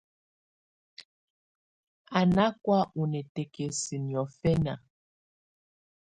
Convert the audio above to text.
Á nà kɔ̀́́á ù nikǝ́kǝ́si niɔ̀fɛna.